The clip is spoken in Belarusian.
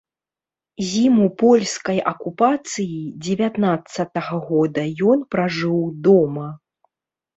Зіму польскай акупацыі дзевятнаццатага года ён пражыў дома.